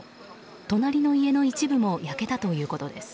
隣の家の一部も焼けたということです。